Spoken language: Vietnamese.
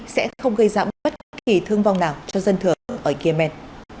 sẽ không gây giảm bất kỳ thương vong nào cho dân thừa ở yemen